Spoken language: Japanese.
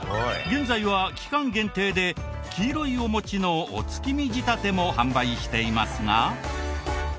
現在は期間限定で黄色いお餅のお月見仕立ても販売していますが。